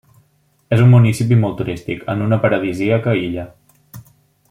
És un municipi molt turístic, en una paradisíaca illa.